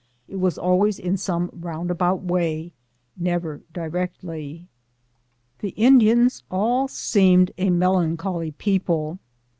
It was always in some roundabout way, never directly. The Indians all seemed a melancholy people.